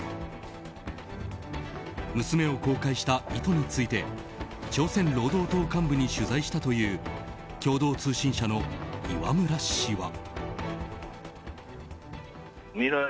娘を公開した意図について朝鮮労働党幹部に取材したという共同通信社の磐村氏は。